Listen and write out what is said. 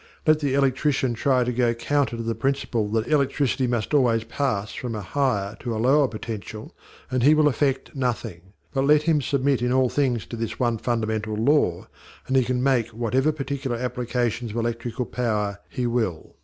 Let the electrician try to go counter to the principle that electricity must always pass from a higher to a lower potential and he will effect nothing; but let him submit in all things to this one fundamental law, and he can make whatever particular applications of electrical power he will.